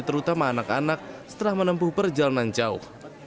terutama anak anak setelah menempuh perjalanan jauh